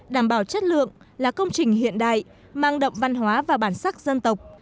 đảm bảo chất lượng là công trình hiện đại mang đậm văn hóa và bản sắc dân tộc